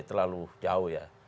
terlalu jauh ya